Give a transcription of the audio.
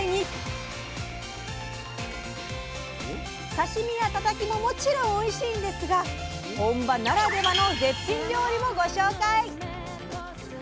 刺身やタタキももちろんおいしいんですが本場ならではの絶品料理もご紹介！